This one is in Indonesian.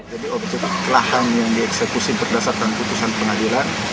jadi objek lahan yang dieksekusi berdasarkan keputusan pengadilan